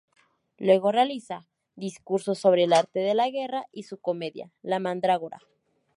Luego realiza "Discurso sobre el Arte de la Guerra" y su comedia "La mandrágora".